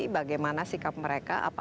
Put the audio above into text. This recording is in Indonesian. bagaimana sikap mereka apa